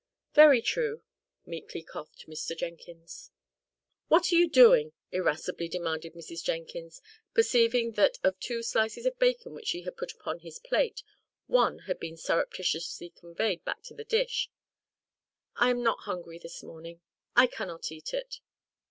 "Very true," meekly coughed Mr. Jenkins. "What are you doing?" irascibly demanded Mrs. Jenkins, perceiving that of two slices of bacon which she had put upon his plate, one had been surreptitiously conveyed back to the dish. "I am not hungry this morning. I cannot eat it."